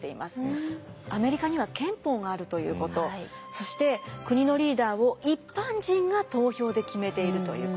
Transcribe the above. アメリカには憲法があるということそして国のリーダーを一般人が投票で決めているということ。